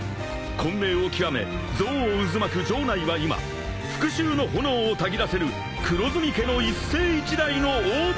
［混迷を極め憎悪渦巻く城内は今復讐の炎をたぎらせる黒炭家の一世一代の大舞台と化す］